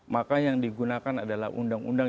maka yang digunakan adalah undang undang